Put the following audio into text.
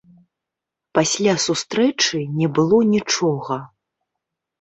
Пасля сустрэчы не было нічога.